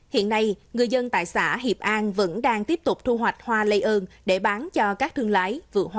hiện nay người dân tại xã hiệp an vẫn đang tiếp tục thu hoạch hoa lây ơn để bán cho các thương lái hoa